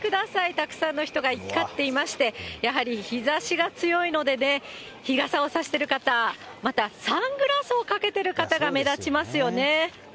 たくさんの人が行き交っていまして、やはり、日ざしが強いのでね、日傘を差している方、また、サングラスをかけてる方が目立ちますよね。